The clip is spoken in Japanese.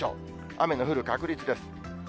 雨の降る確率です。